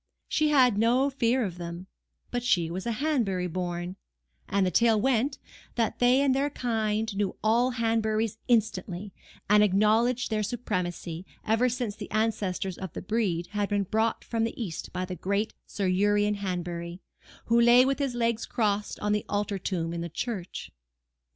She had no fear of them; but she was a Hanbury born, and the tale went, that they and their kind knew all Hanburys instantly, and acknowledged their supremacy, ever since the ancestors of the breed had been brought from the East by the great Sir Urian Hanbury, who lay with his legs crossed on the altar tomb in the church.